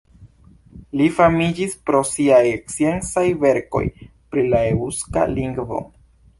Li famiĝis pro siaj sciencaj verkoj pri la eŭska lingvo.